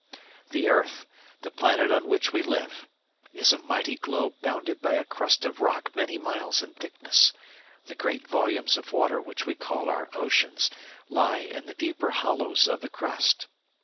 The Earth, the planet on which we live, is a mighty globe bounded by a crust of rock many miles in thickness; the great volumes of water which we call our oceans lie in the deeper hollows of the crust.